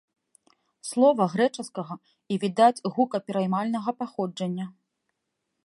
Слова грэчаскага і відаць, гукапераймальнага паходжання.